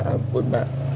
ma ampun ma